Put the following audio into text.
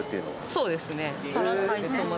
そうですね。